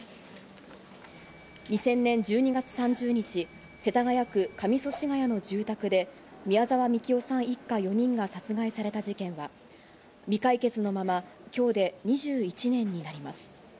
２０００年１２月３０日、世田谷区上祖師谷の住宅で宮沢みきおさん一家４人が殺害された事件は、未解決のまま今日で２１年になります。